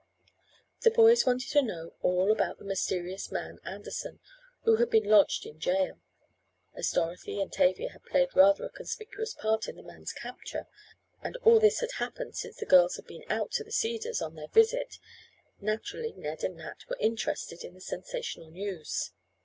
The boys wanted to know all about the mysterious man Anderson, who had been lodged in jail. As Dorothy and Tavia had played rather a conspicuous part in the man's capture, and all this had happened since the girls had been out to the Cedars, on their visit, naturally Ned and Nat were interested in the sensational news.